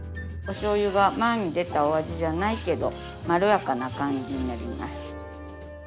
おしょうゆが前に出たお味じゃないけどまろやかな感じになります。